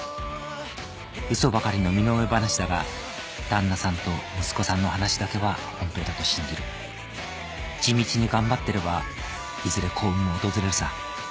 「嘘ばかりの身の上話だが旦那さんと息子さんの話だけは本当だと信じる」「地道に頑張ってればいずれ幸運も訪れるさ。